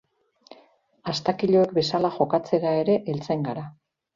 Astakiloek bezala jokatzera ere heltzen gara.